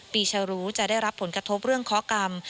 ชารูจะได้รับผลกระทบเรื่องข้อกรรม